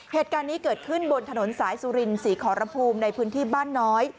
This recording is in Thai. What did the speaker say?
เหตุการณ์นี้เกิดขึ้นบนถนนสายสุรินศรีขอรภูมิในพื้นที่บ้านน้อย